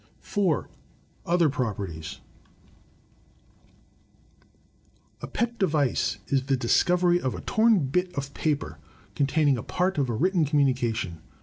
4, Other "Properties'' A pet device is the discovery of a torn bit of paper con taining part of a written communication.